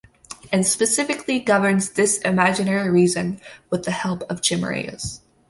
And specifically governs this imaginary Reason with the help of chimeras.